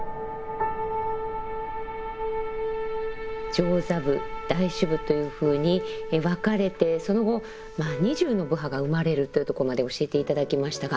上座部大衆部というふうに分かれてその後２０の部派が生まれるというとこまで教えて頂きましたが。